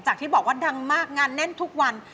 ที่บอกว่าดังมากงานแน่นทุกวัน